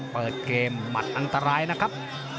เปิดเกมหมัดอันตรายนะครับ